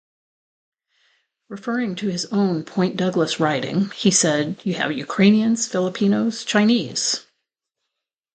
Referring to his own Point Douglas riding, he said, You have Ukrainians, Filipinos, Chinese.